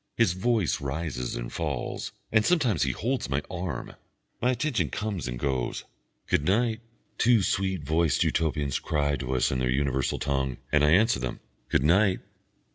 His voice rises and falls, and sometimes he holds my arm. My attention comes and goes. "Good night," two sweet voiced Utopians cry to us in their universal tongue, and I answer them "Good night."